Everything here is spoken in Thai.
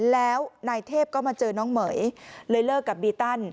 แล้วนายเทพก็มาเจอน้องเหม๋ยเลยเลิกกับบีตัน